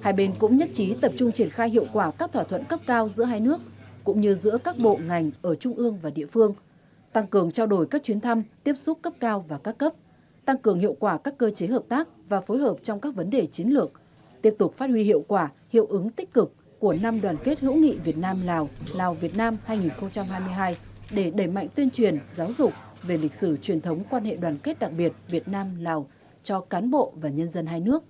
hai bên cũng nhất trí tập trung triển khai hiệu quả các thỏa thuận cấp cao giữa hai nước cũng như giữa các bộ ngành ở trung ương và địa phương tăng cường trao đổi các chuyến thăm tiếp xúc cấp cao và các cấp tăng cường hiệu quả các cơ chế hợp tác và phối hợp trong các vấn đề chiến lược tiếp tục phát huy hiệu quả hiệu ứng tích cực của năm đoàn kết hữu nghị việt nam lào lào việt nam hai nghìn hai mươi hai để đẩy mạnh tuyên truyền giáo dục về lịch sử truyền thống quan hệ đoàn kết đặc biệt việt nam lào cho cán bộ và nhân dân hai nước